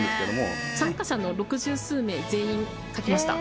参加者の六十数名全員描きました。